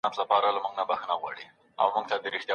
نه هیلي د مرګ په څېر ده.